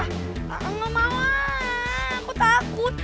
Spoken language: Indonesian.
gak mau lah aku takut